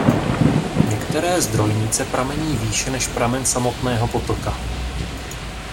Některé zdrojnice pramení výše než pramen samotného potoka.